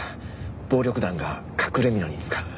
暴力団が隠れみのに使う。